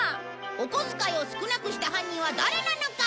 お小遣いを少なくした犯人は誰なのか？